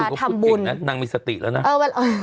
อยู่กับผู้เก่งน่ะนางมีสติแล้วน่ะ